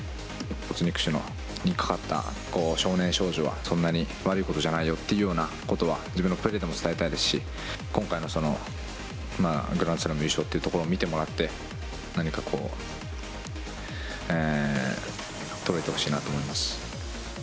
骨肉腫にかかった少年少女に、そんなに悪いことじゃないよっていうようなことは自分のプレーでも伝えたいですし、今回のそのグランドスラム優勝というところも見てもらって、何かこう、届いてほしいなと思います。